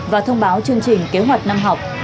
và thông báo chương trình kế hoạch năm học